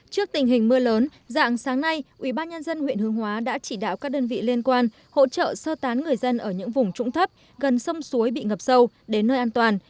trước tình hình mưa lớn dạng sáng nay ubnd huyện hướng hóa đã chỉ đạo các đơn vị liên quan hỗ trợ sơ tán người dân ở những vùng trũng thấp gần sông suối bị ngập sâu đến nơi an toàn